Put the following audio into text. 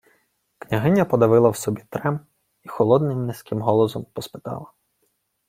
Княгиня подавила в собі трем і холодним низьким голосом поспитала: